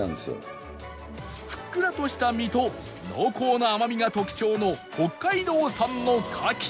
ふっくらとした身と濃厚な甘みが特徴の北海道産のカキ